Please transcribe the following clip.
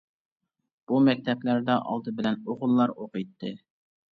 بۇ مەكتەپلەردە ئالدى بىلەن ئوغۇللار ئوقۇيتتى.